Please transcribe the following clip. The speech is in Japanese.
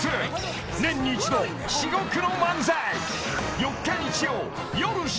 ［年に一度至極の漫才］